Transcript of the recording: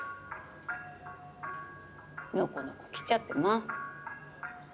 のこのこ来ちゃってまあ。